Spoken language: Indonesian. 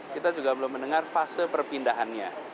kita juga belum mendengar fase perpindahannya